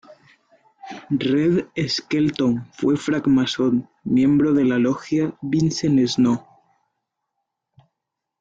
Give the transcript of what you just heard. Red Skelton fue francmasón, miembro de la Logia Vincennes No.